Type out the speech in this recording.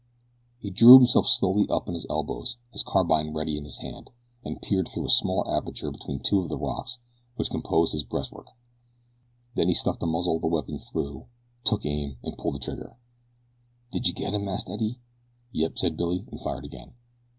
He drew himself slowly up upon his elbows, his carbine ready in his hand, and peered through a small aperture between two of the rocks which composed his breastwork. Then he stuck the muzzle of the weapon through, took aim and pulled the trigger. "Didje get him?" asked Eddie. "Yep," said Billy, and fired again.